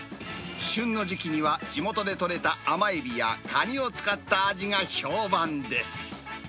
旬の時期には、地元で取れた甘エビやカニを使った味が評判です。